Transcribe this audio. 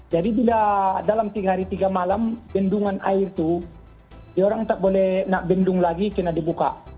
jadi dalam tiga hari tiga malam bendungan air itu dia orang tak boleh nak bendung lagi karena dibuka